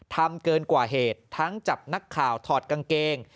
ทำเกินกว่าเหตุทั้งจับนักข่าวถอดกางเกง